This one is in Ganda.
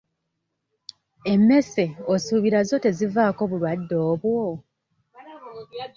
Emmese osuubira zo tezivaako bulwadde obwo?